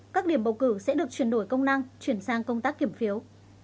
các điểm bầu cử sẽ được chuyển đổi công năng chuyển sang công tác kiểm phiếu